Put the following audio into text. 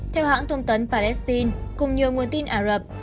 theo hãng thông tấn palestine cùng nhiều nguồn tin ả rập